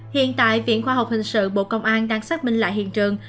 hiện tại viện khoa học hình sự bộ công an đang xác minh lại hiện trường